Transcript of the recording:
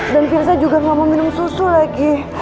dan firza juga gak mau minum susu lagi